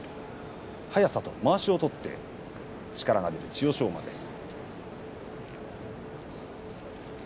速さと、まわしを取って力が出る千代翔馬です。